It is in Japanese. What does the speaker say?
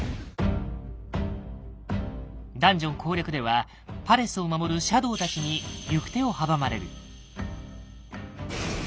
ダンジョン攻略ではパレスを守るシャドウたちに行く手を阻まれる。